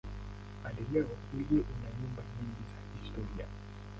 Hadi leo mji una nyumba nyingi za kihistoria.